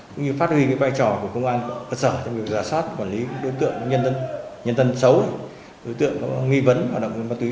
cũng như phát huy vai trò của công an cơ sở trong việc giả soát quản lý đối tượng nhân dân xấu đối tượng có nghi vấn hoạt động với ma túy